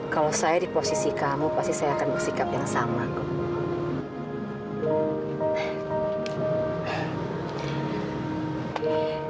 kalau saya di posisi kamu pasti saya akan bersikap yang sama kok